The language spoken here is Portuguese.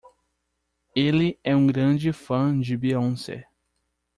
Ele é um grande fã de Beyoncé.